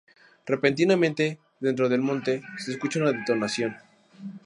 Repentinamente, dentro del monte, se escucha una detonación.